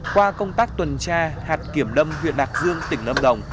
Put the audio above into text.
qua công tác tuần tra hạt kiểm đâm huyện đạc dương tỉnh nâm đồng